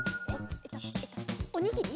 おにぎり？